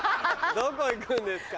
どこ行くんですか？